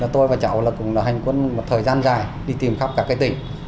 tôi và cháu cũng là hành quân một thời gian dài đi tìm khắp các cái tỉnh